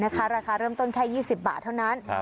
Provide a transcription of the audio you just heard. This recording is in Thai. ราคาเริ่มต้นแค่๒๐บาทเท่านั้น